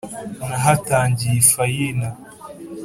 Nahatangiye ifayina